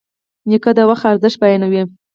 نیکه د وخت ارزښت بیانوي.